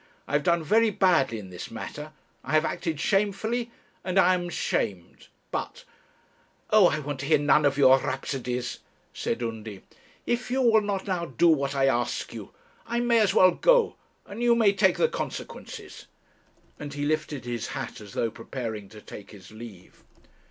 I have done very badly in this matter; I have acted shamefully, and I am ashamed, but ' 'Oh, I want to hear none of your rhapsodies,' said Undy. 'If you will not now do what I ask you, I may as well go, and you may take the consequences;' and he lifted his hat as though preparing to take his leave.